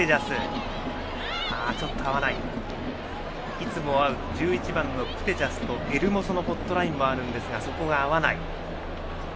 いつもは合うプテジャスとエルモソのホットラインもあるんですがそこが合わない。